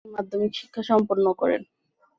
তিনি মাধ্যমিক শিক্ষা সম্পন্ন করেন।